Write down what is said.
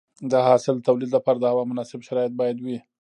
د حاصل د تولید لپاره د هوا مناسب شرایط باید وي.